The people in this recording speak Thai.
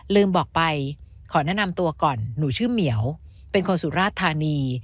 ลืมบอกไปขอแนะนำตัวก่อนหนูชื่อเหมียวเป็นคนสุราชธานี